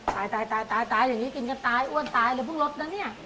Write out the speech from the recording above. ตายตายอย่างนี้กินกันตายอ้วนตายเลยเพิ่งลดนะเนี่ย